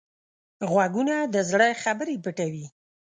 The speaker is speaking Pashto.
غوږونه د زړه خبرې پټوي